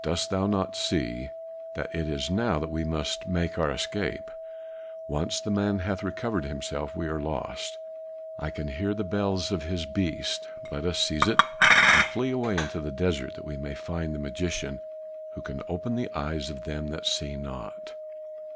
Dost thou not see that it is now that we must make good our escape? Once the man hath recovered himself we are lost. I can hear the bells of his beast, let us seize it and flee away into the desert that we may find the magician who can open the eyes of them that see not."